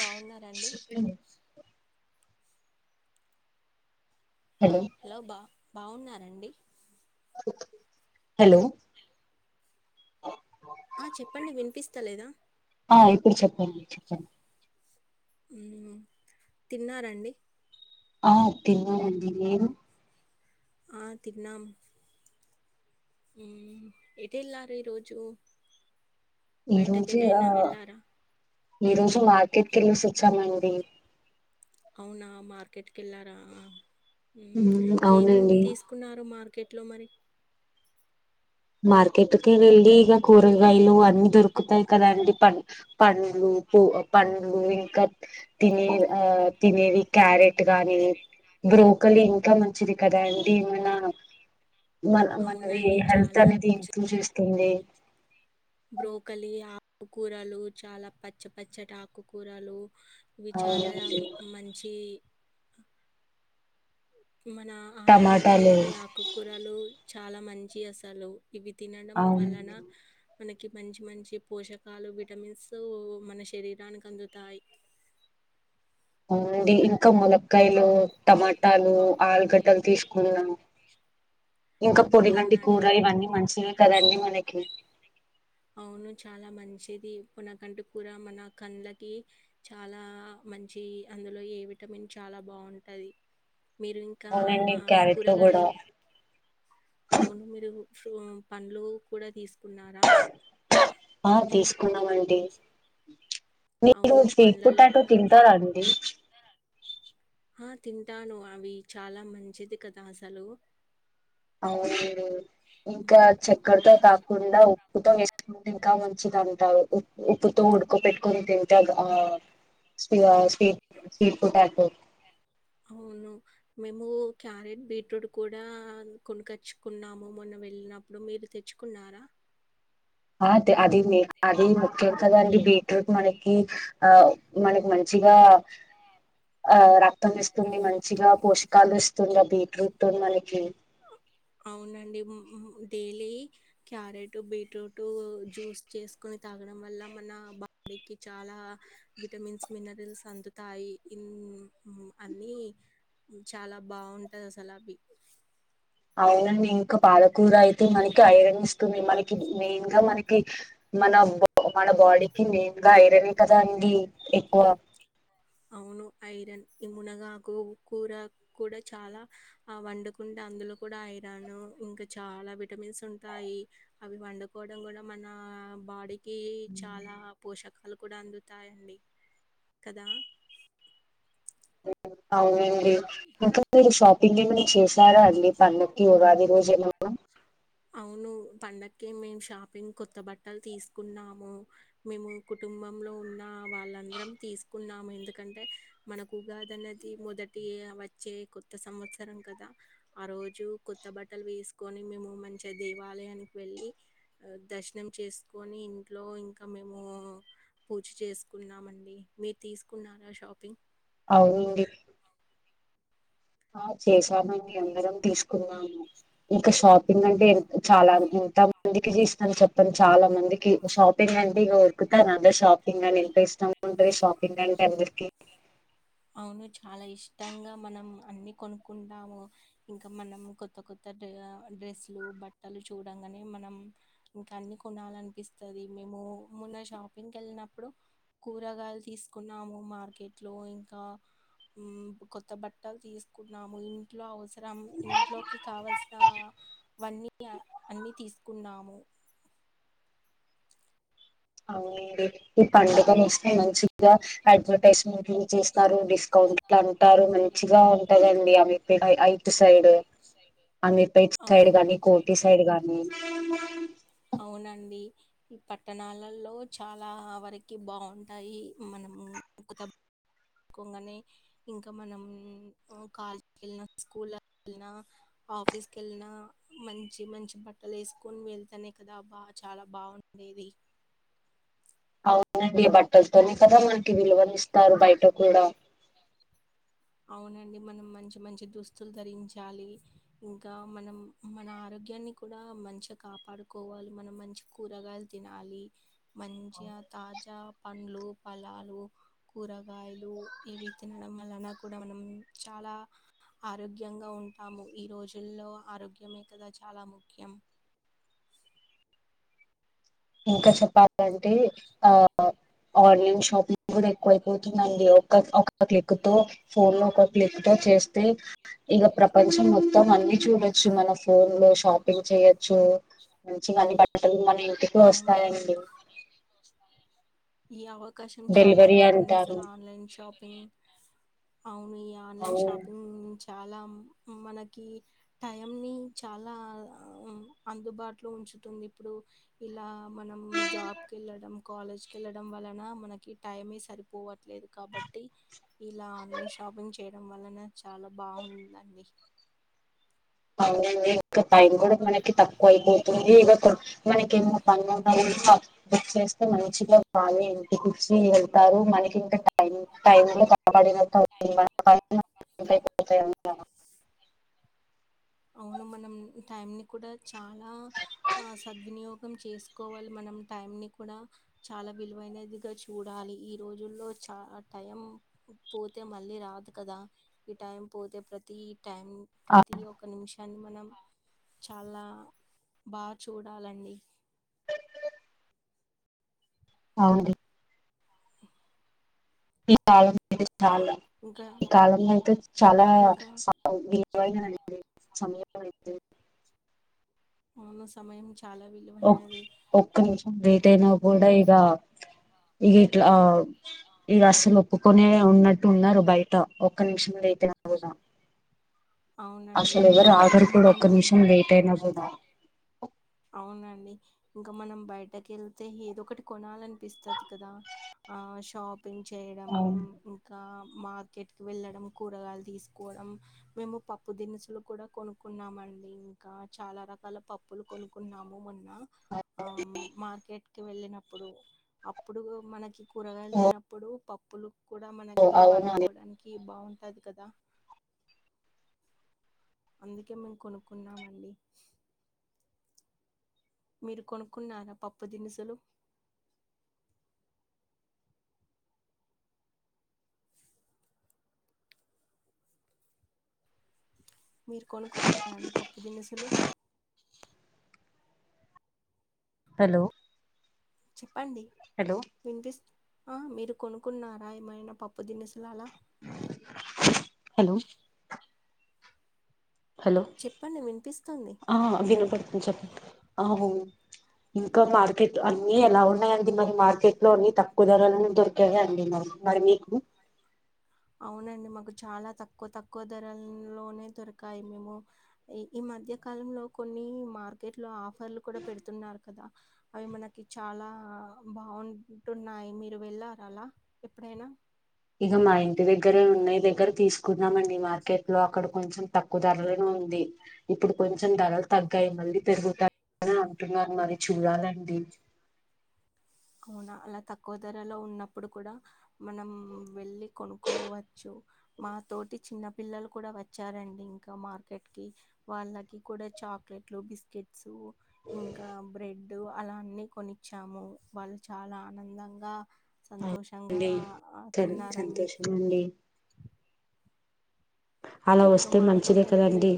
బాగున్నారంండి hello బా బాగున్నారంండి hello ఆ చెప్పండి వినిపిస్తలేదా ఆ ఇప్పుడు చెప్పండి చెప్పండి తిన్నారండి ఆ తన్నడిేను ఆ తిన్నాం ఎది వెళ్లారు ఈ రోజు ఈ బయటక రోజే ఆ ఎట్టైనా వెళ్ళారా ఈ రోజు మార్కెట్ కెళ్లిసి వచ్చామండి అవునా మార్కెట్కి వెళ్లారా మ్మ్ ఏం అవునండి తీసుకున్నారు మార్కె కేట్లో మరి మార్కెట్కి వెళ్లి ఈక కూరగాయలు అన్ని దొరుక తకుతాయి కదా అండి పం పండ్లు పూ పండ్లు ఇంకా తిన ఆ తినేది క్యారెట్ గాని బ్రోకల్ ఇంకా మంచిది కదా అండి ఏమైనా మన మనది అవునండి హెల్త్ చాలా అనేది ఇంప్రూవ్ చేస్తుంది బ్రోకలి ఆకుకూరలు చాలా పచ్చ పచ్చటి ఆకుకూరలు ఇవి చాలా అవునండి మంచి మన ఆరోగ్యానికి టమాటాలు ఈ ఆకుకూరలు చాలా మంచి అసలు ఇవి తినడం అవును వలన మనకి మంచి మంచి పోషకాలు విటమిన్స్ మన శరీరానికి అందుతాయి ఉంది ఇంకా ములక్కయలు టమాటాలు ఆలుగడ్డలు తీసుకున్నాము ఇంకా పొడిగంటి అవునా అండి కూరలు ఇవన్నీ మంచివిే కదంీ మనకి అవును చాలా మంచిది ప నాకంటూ కూడా మన కళ్ళకి చాలా మంచి అందులో ఏ విటమిన్ చాలా బాగుంటుంది మీరు ఇంకా అవునండి క్యారెట్లు కూడా కూరగాయలు అవును మీరు సో పంలు కూడా తీసుకున్నారా ఆ తీసుకున్నామండి మీరు అవును స్వీట్ పండ్లలో పొటాటో కూడా తింటారండి ఆ తింటాను అవి చాలా మంచిది కదా అసలు అవునండి ఉమ్, ఇంకా చక్కెరతో కాకుండా ఉప్పుతో వేసుకుంటే ఇంకా మంచిది అంటారు ఉ ఉప్పుతో ఉడుకో పెట్టుకొని తింటే ఆ [unintelligible] అవును మేము క్యారెట్ బీట్రూట్ కూడా కొనుకొచ్చుకున్నాము మొన్న వెళ్ళినప్పుడు మీరు తెచ్చుకున్నారా ఆ తే అది అది ముఖ్యం కదండి బీట్రూట్ మనకి ఆ మనకి మంచి ఇగా ఆ రక్తం ఇస్తుంది, మంచిగా పోషకాలు ఇస్తుంది, ఆ బీట్రూట్ మనకి. అవునండి. Daily carrot, beetroot to juice చేసుకొని తాగడం వల్ల మన బాడీకి చాలా విటమిన్స్, మినరల్స్ అందుతాయి. ఇన్ మ్ మ్ అన్ని చాలా బాగుంటాది అసలు అవి. అవునండి. ఇంకా పాలకూర అయితే మనకి ఐరన్ ఇస్తుంది. మనకి మెయిన్ గా మనకి, మన బా మన బాడీకి మెయిన్ గా ఐరనే కదా అండి ఎక్కువ! అవును. ఐరన్ ఈ మునగాకు కూర కూడ చాలా ఆ వండకుండా అందులో కూడ ఐరాను ఇంకా చాలా విటమిన్స్ ఉంటాయి. అవి వండుకోవడం కూడా మన, ఆ బాడీకి చాలా పోషకాలు కూడ అందుతాయండి. కదా? అవునండి. ఇంకా మీరు షాపింగ్ ఏమన చేశారా అండి పండక్కి ఉగాది రోజు ఏ ఎ వ అవును పండక్కి మేము షాపింగ్ కొత్త బట్టలు తీసుకున్నాము. మేము కుటు కుటుంబంలో ఉన్న వాళ్ళందరం తీసుకున్నాము. ఎందుకంటే, మనకు ఉగాది అనేది మొదటి ఏ వచ్చే కొత్త సంవత్సరం కదా! ఆ రోజు కొత్త బట్టలు వేసుకొని మేము మన్ చి దేవాలయానికి వెళ్ళి దర్శనం చేసుకొని, ఇంట్లో ఇంకా మేము పూజ చేసుకున్నామండి. మీరు తీసుకున్నారా షాపింగ్ అవునండి ఆ చేశామండి. అందరం తీసుకున్నాము. ఇంకా షాపింగ్ అంటే చాలా ఎంత మందికి చేసినమ్ చెప్పన్ చాలా మందికి షాపింగ్ అంటే ఇంగ ఉరుకుతారు అందర్ షాపింగ్ అని. ఎంత ఇష్టం ఉంటది షాపింగ్ అంటే అందరికి. అవును చాలా ఇష్టంగా మనం అన్ని కొనుక్కుంటాము. ఇంకా మనం కొత్త కొత్త డ్రెస్లు బట్టలు చూడంగనే మనం ఇంక అన్ని కొనాలనిపిస్తది. మేమ్ మో, మొన్న షాపింగ్కి వెళ్ళినప్పుడు కూరగాయలు తీసుకున్నాము మార్కెట్ లో ఇన్ కా మ్ కొత్త బట్టలు తీసుకున్నాము. ఇంట్లో అవసరం ఇంట్లోకి కావల్సిన, వన్నీ అన్ని తీసుకున్నాము. అవునండి. ఈ పండుగనొస్తే మంచి గ అడ్వర్టైజ్మెంట్లు చేస్తారు. డిస్కౌంట్లు అంటారు మంచి గా ఉంటదండి అమీర్పేట్ ఐత్ సైడ్ అమీర్పేట్ సైడ్ అవునా గాని, కోటి సైడ్ గాని అవునండి. ఈ పట్టణాలలో చాలా వరకి బాగుంటాయి మనము, ముత కొంగానే ఇంకా మనం కాలేజ్ కెళ్ళిన, స్కూల్ల కెళ్ళిన ఆఫీస్ కి వెళ్ళినా మంచి మంచి బట్టలు వేసుకొని వెళ్తనే కదా బా చాలా బాగుంది. ఇది అవునండి. బట్టలతోనే కదా మనకి విలువని ఇస్తారు బయట కూడ. అవునండి మనం మంచి మంచి దుస్తులు ధరించాలి. ఇంకా మనం మన ఆరోగ్యాన్ని, కూడా మంచిగా కాపాడుకోవాలి మనం మంచి కూరగాయలు తినాలి మంచిగా తాజా పండ్లు పలాలు కూరగాయలు ఇవి తినడం వలన కూడా మనం చాలా ఆరోగ్యంగా ఉంటాము ఈ రోజుల్లో ఆరోగ్యమే కదా చాలా ముఖ్యం ఇంకా చెప్పాలంటే ఆ ఆన్లైన్ షాపింగ్ కూడా కోల్పోతుందండీ ఒక క్లిక్ తో ఫోన్ లో ఒక క్లిక్ తో చేస్తే ఇక ప్రపంచం మొత్తం అ న్నీ చూడొచ్చు మన ఫోన్ లో షాపింగ్ చేయొచ్చు మంచి అన్ని బట్టలు మన ఇంటికి అవును. వస్తాయండి ఈ అవకాశం చాలా డెలివరీ బాగుంది అంటారు అసలు ఆన్లైన్ షాపింగ్ అవును ఈ ఆన్లైన్ అవును షాపింగ్ నుంచి చాలా మనకి టైం ని చాలా అందుబాటులో ఉంచుతుంది ఇప్పుడు ఇలా మనం జాబ్కి వెళ్ళడం కాలేజ్ కేళ్ళడం వలన మనకి టైమ సరిపోవట్లేదు కాబట్టి ఇలా ఆన్లైన్ షాపింగ్ చే చేయడం వలన చాలా బాగుందండి [inaudible] అవునండి ఇంకా టైం కూడా మనకి తక్కువ అయిపోతుంది ఇక మనకి ఎన్ని పనులునయో బుక్ చేస్తే మంచిగా వాళ్ళే ఇంటికిచ్చి వెళ్తారు మనకింకా టైమ్ లో [inaudible] అవును మనం టైం ని కూడా చాలా సద్వినియోగం చేసుకోవాలి మన మనం టైం ని కూడా చాలా విలువైనదిగా చూడాలి ఈ రోజుల్లో చ టైం పోతే మళ్ళీ రాదు కదా ఈ టైం పోతే ప్రతి టైం ఆ ప్రతి ఒ నిమిషాన్ని మనం చాలా బాగా చూడాలండి అవుది [inaudible] చాలా ఇంకా ఈ కాలంలో అయితే చాలా ఇంకా విలువైనది అండి సమయం స అవును సమయం చాలా విలువైనది. ఒక్క నిమిషం లేట్ అయినా కూడా ఇ ఇక ఇట్లా ఇక అసలు ఒప్పుకొనే ఉన్నట్టు ఉన్నారు బయట ఒక్క నిమిషంలో లేట్ అయినా కూడా అవునండి. అసలు ఎవరు ఇంకా ఆగరు కూడా ఒక్క మనం నిమిషం లేట్ అయినా కూడా అవునండి ఇంకా మనం బయటకి వెళ్తే ఏదో ఒకటి కొనాలనిపిస్తది కదా ఆ షాప్ పెన్ చేయడం అవును ఇంకా మార్కెట్ కి వెళ్ళడం కూరగాయలు తీసుకోవడం మేము పప్పు దినుసులు కూడా కొనుకున్నామ ఇంకా చాలా రకాల పప్పులు కొనుకున్నాము మొన్న ఆ మార్కెట్ వెళ్ళినప్పుడు అప్పుడు మనకి కూరగాయలు ఓ లేనప్పుడు పప్పులు కూడా మనకి అవును వండుకోవడానికి బాగుంటది కదా అందుకే మేము కొనుక్కున్నామండి మీరు కొనుక్కున్నారా పప్పు దినుసులు మీరు కొనుకున్న రండి పప్పు దినుసులు హలో చెప్పండి హలో వినిపిస్త మీరు కొనుక్కున్నారా ఏమైనా పప్పు దినుసులు అలా హలో హలో చెప్పండి వినిపిస్తుంది ఆ వినబడుతుంది చెప్పండి ఇంకా మార్కెట్ అన్ని ఎలా ఉన్నాయండి మరి మార్కెట్ లో అన్ని తక్కు కూరగాయలన్ని దొరికాయా అండి మాకు మరి మీకు అవునండి మాకు చాలా తక్కువ తక్కువ ధరల లోనే దొరకాయి మేము మధ్య కాలంలో కొన్ని మార్కెట్ లో ఆఫర్లు కూడా పెడుతున్నారు కదా అవి మనకి చాలా బాగుంటున్నాయి మీరు వెళ్ళార అలా ఎప్పుడైనా ఇగ మా ఇంటి దగ్గర ఉన్నయి దగ్గర తీసుకున్నామండి మార్కెట్ లో, అక్కడ కొంచెం తక్కువ ధరలు ఉంది. ఇప్పుడు కొంచెం ధరలు తగ్గాయి మళ్ళీ పెరుగుతాయి. అని అంటున్నారు మరి చూడాలండి. అవునా అలా తక్కువ ధరలో ఉన్నప్పుడు కూడా మనం వెళ్ళి కొనుక్కోవచ్చు. మా తోటి చిన్న పిల్లలు కూడా వచ్చారండి ఇంకా మార్కెట్ కి వాళ్ళకి కూడా చాక్లెట్లు, బిస్కెట్స్ ఇంకా బ్రెడ్ అలా అన్ని కొనిచ్చాము. వాళ్ళు చాలా ఆనందంగా సంతోషంగా అవునండి సరే తిన్నారండి. సంతోషం అండి అలా ఇంగా వస్తే మంచిదే మార్కెట్కి ఎళ్తే కదండి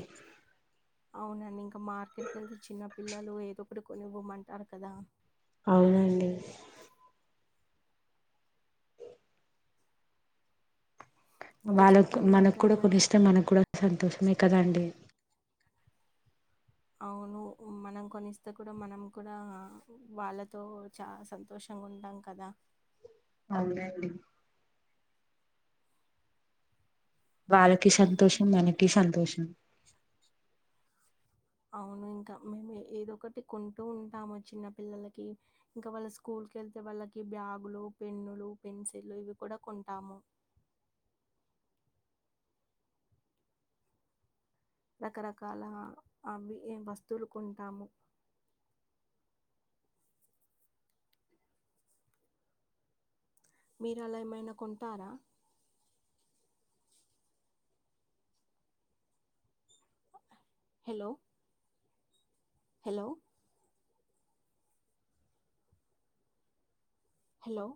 అవునండి ఇంకా మార్కెట్ కి వెళ్తే చిన్న పిల్లలు ఏదో ఒకటి కొనివ్వమ్మంటారు కదా. అవునండి. ఇంకా వాళ్ళకు చెప్పండి మనకు ఇంకా కూడా మరి కొన్నిస్తే మనకు కూడా సంతోషమే కదండి. అవును మనం కొనిస్తే కూడా మనం కూడా వాళ్ళతో చాలా సంతోషం గాఉంటాం కదా. అవునండి. వాళ్ళకి సంతోషం, ఉమ్, మనకి సంతోషం. అవును ఇంకా మేము ఏదో ఒకటి కొంటూ ఉంటాము చిన్న పిల్లలకి, ఇంకా వాళ్ళ స్కూల్ కు వెళ్తే వాళ్ళకి బ్యాగులు, పెన్నులు, పెన్సిల్లు ఇవి కూడా కొంటాము. అ రకరకాల అవి ఎంవస్తువులు కొంటాము. మీరు అలా ఏమైనా కొంటారా? Hello hello hello